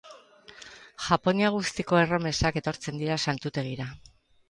Japonia guztiko erromesak etortzen dira santutegira.